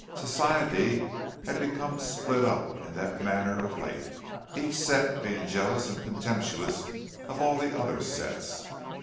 Society had become split up in that manner of late—each set being jealous and contemptuous of all the other sets.